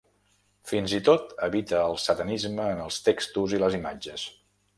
Fins i tot evita el satanisme en els textos i les imatges.